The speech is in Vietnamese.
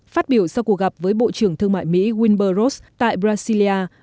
phát biểu sau cuộc gặp với bộ trưởng thương mại mỹ wilbur ross tại brasilia